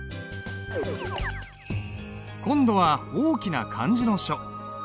今度は大きな漢字の書。